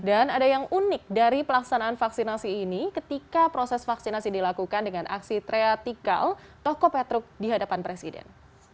dan ada yang unik dari pelaksanaan vaksinasi ini ketika proses vaksinasi dilakukan dengan aksi triatikal toko petruk di hadapan presiden